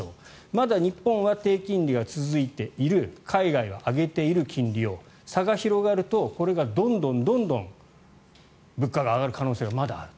まだ日本は低金利が続いている海外は金利を上げている差が広がると、これがどんどん物価が上がる可能性がまだある。